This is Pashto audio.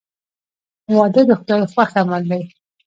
• واده د خدای خوښ عمل دی.